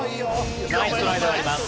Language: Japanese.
ナイストライであります。